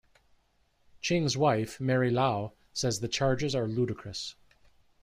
Ching's wife, Mary Lau, says the charges are ludicrous.